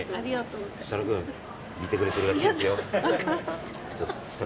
設楽君見てくれてるらしいですよ。